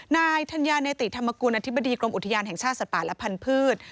นายธัญญาเนติธรรมกุลอธิบดีกรมอุทยานแห่งชาติสัตว์ป่าและพันธุ์